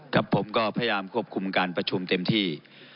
ผมก็พยายามควบคุมการประชุมเต็มที่